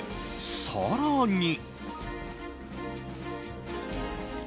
更に。